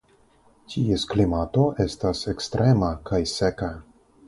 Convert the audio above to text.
Ties klimato estas ekstrema kaj seka.